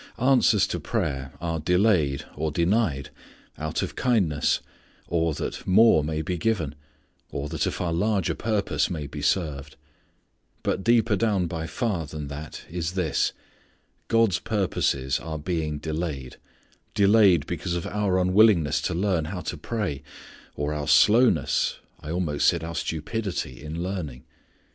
Answers to prayer are delayed, or denied, out of kindness, or, that more may be given, or, that a far larger purpose may be served. But deeper down by far than that is this: God's purposes are being delayed; delayed because of our unwillingness to learn how to pray, or, our slowness I almost said our stupidity in learning.